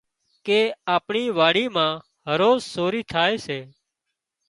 ڪي آپڻي واڙي مان هروز سوري ٿائي سي